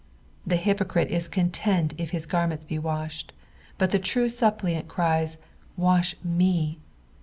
The hypocrite is content if bis garments be washed ; bub the true suppliant cries, "wash ma."